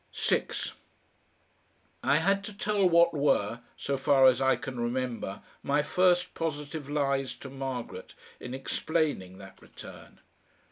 6 I had to tell what were, so far as I can remember my first positive lies to Margaret in explaining that return.